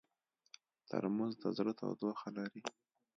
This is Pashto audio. ترموز د زړه تودوخه لري.